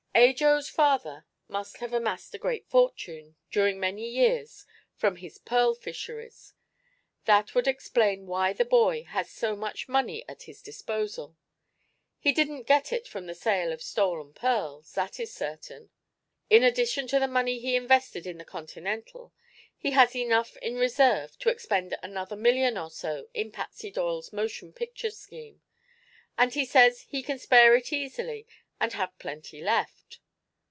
"Ajo's father must have amassed a great fortune, during many years, from his pearl fisheries. That would explain why the boy has so much money at his disposal. He didn't get it from the sale of stolen pearls, that is certain. In addition to the money he invested in the Continental, he has enough in reserve to expend another million or so in Patsy Doyle's motion picture scheme, and he says he can spare it easily and have plenty left!